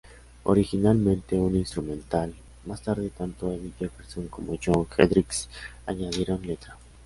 Originalmente un instrumental, más tarde tanto Eddie Jefferson como Jon Hendricks añadieron letra.